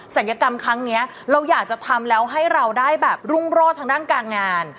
ยกรรมครั้งนี้เราอยากจะทำแล้วให้เราได้แบบรุ่งโรธทางด้านการงาน